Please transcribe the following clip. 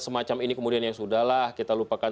semacam ini kemudian ya sudah lah kita lupakan